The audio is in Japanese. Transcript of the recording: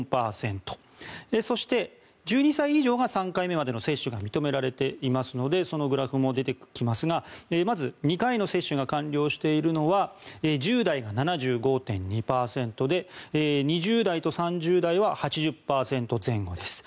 そして１２歳以上が３回目までの接種が認められていますのでそのグラフも出てきますがまず、２回の接種が完了しているのは１０代が７５．２％で２０代と３０代は８０％前後です。